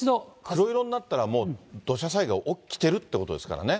黒色になったらもう土砂災害起きてるってことですからね。